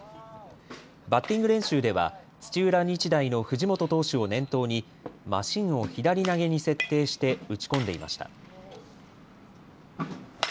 バッティング練習では土浦日大の藤本投手を念頭にマシンを左投げに設定して打ち込んでいました。